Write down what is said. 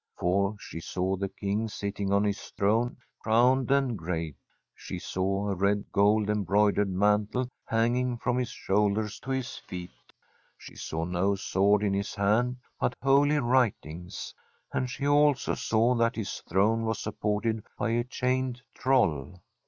For she saw the King sitting on his throne, crowned and great; she saw a red, gold embroidered mantle hanging from his shoulders to his feet. She saw no sword in his hand, but holy writings ; and she also saw that his throne was supported by a chained troll.